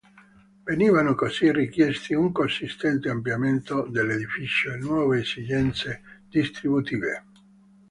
Venivano così richiesti un consistente ampliamento dell'edificio e nuove esigenze distributive.